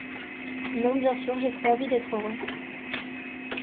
Non, bien sûr, j'ai trop envie d'être heureuse.